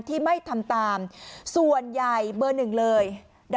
ที่ไม่ทำตามส่วนใหญ่เบอร์หนึ่งเลย